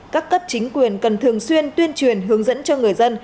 các cấp chính quyền cần thường xuyên tuyên truyền hướng dẫn cho người dân